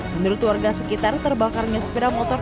menurut warga sekitar terbakarnya sepeda motor